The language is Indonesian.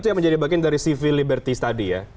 itu yang menjadi bagian dari civil liberties tadi ya